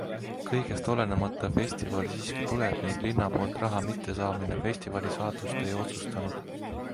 Kõigest olenemata festival siiski tuleb ning linna poolt raha mittesaamine festivali saatust ei otsustanud.